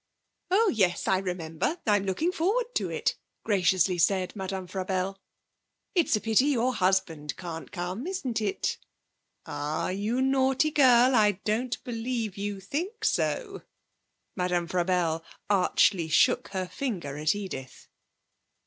'Oh yes. I remember. I'm looking forward to it,' graciously said Madame Frabelle. 'It's a pity your husband can't come, isn't it? Ah, you naughty girl, I don't believe you think so!' Madame Frabelle, archly shook her finger at Edith.